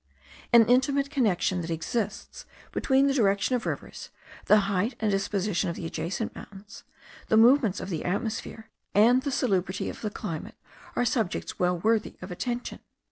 The intimate connection that exists between the direction of rivers, the height and disposition of the adjacent mountains, the movements of the atmosphere, and the salubrity of the climate, are subjects well worthy of attention.